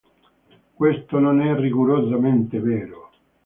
Questo non è rigorosamente vero.